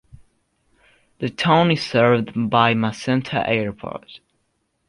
The town is served by Macenta Airport.